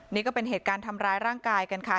นี่ก็เป็นเหตุการณ์ทำร้ายร่างกายกันค่ะ